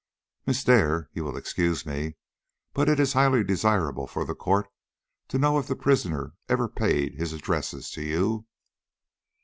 "Miss Dare, you will excuse me, but it is highly desirable for the court to know if the prisoner ever paid his addresses to you?"